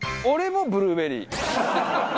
俺もブルーベリー。